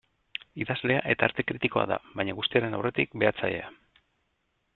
Idazlea eta arte kritikoa da, baina guztiaren aurretik, behatzailea.